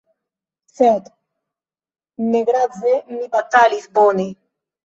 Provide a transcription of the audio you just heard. Sed negrave: mi batalis bone.